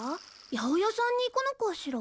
八百屋さんに行くのかしら？